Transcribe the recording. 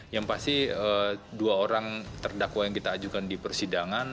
yang pasti dua orang terdakwa yang kita ajukan di persidangan